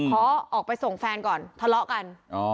ขอออกไปส่งแฟนก่อนทะเลาะกัน